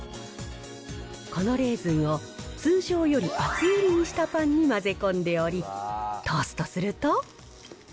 このレーズンを通常より厚切りにしたパンに混ぜ込んでおり、トーストすると。